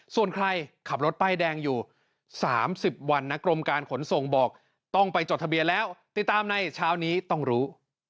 ส่วนใครขับรถป้ายแดงอยู่๓๐วันนะกรมการขนส่งบอกต้องไปจดทะเบียนแล้วติดตามในเช้านี้ต้องรู้